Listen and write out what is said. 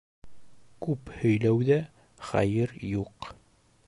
Күп һөйләүҙә хәйер юҡ.